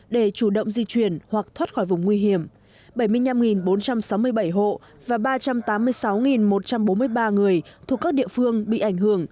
để chủ động di chuyển hoặc thoát khỏi vùng nguy hiểm bảy mươi năm bốn trăm sáu mươi bảy hộ và ba trăm tám mươi sáu một trăm bốn mươi ba người thuộc các địa phương bị ảnh hưởng